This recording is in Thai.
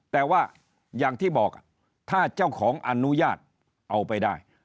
แต่ว่าอย่างที่บอกถ้าเจ้าของอนุญาตเอาไปได้